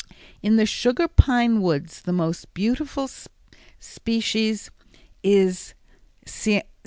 In the sugar pine woods the most beautiful species is _C.